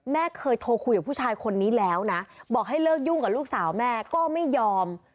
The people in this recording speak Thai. แม่เคยโทรคุยกับผู้ชายคนนี้แล้วนะบอกให้เลิกยุ่งกับลูกสาวแม่ก็ไม่ยอม